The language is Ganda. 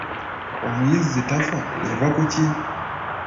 Omuyizzi tafa, yava ku ki?